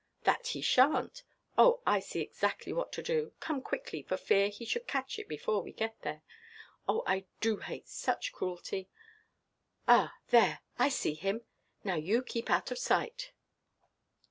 "That he shanʼt. Oh, I see exactly what to do. Come quickly, for fear he should catch it before we get there. Oh, I do hate such cruelty. Ah, there, I see him! Now, you keep out of sight."